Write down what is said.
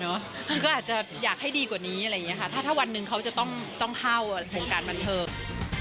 นุ๊ตก็อาจจะอยากให้ดีกว่านี้ถ้าวันหนึ่งเขาจะต้องเข้าสังการบันเทิง